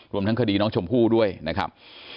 รวมทั้งคดีน้องชมพู่ด้วยนะครับ